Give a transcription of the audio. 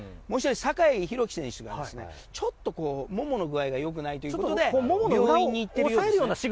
酒井宏樹選手がちょっとももの具合が良くないということで病院に行っているようです。